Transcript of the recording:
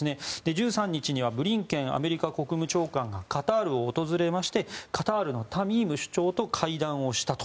１３日にはブリンケンアメリカ国務長官がカタールを訪れましてカタールのタミーム首長と会談をしたと。